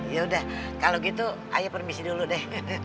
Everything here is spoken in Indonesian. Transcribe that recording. yaudah kalau gitu ayo permisi dulu deh